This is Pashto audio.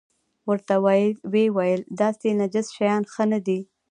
ورته ویې ویل داسې نجس شیان ښه نه دي.